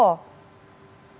betul ya masih unik